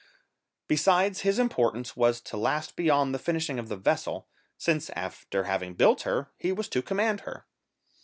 Besides his importance was to last beyond the finishing of the vessel, since, after having built her, he was to command her.